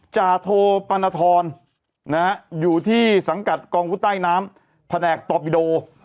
จาโทปรณฑรอยู่ที่สังกัดกองพุทธใต้น้ำแผนกตอบบิโด